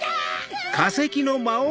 あっ！